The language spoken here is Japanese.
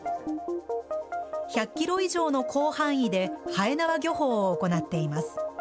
１００キロ以上の広範囲で、はえなわ漁法を行っています。